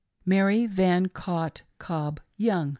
285 MARY VAN COTT COBB YOUNG.